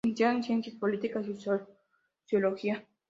Licenciado en Ciencias Políticas y Sociología.